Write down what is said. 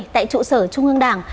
tại trụ sở trung ương đảng